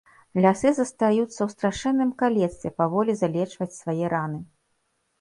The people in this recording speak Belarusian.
Лясы застаюцца ў страшэнным калецтве паволі залечваць свае раны.